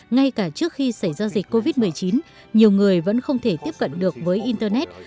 ngay cả trước khi xảy ra dịch covid một mươi chín nhiều người vẫn không thể tiếp cận được với internet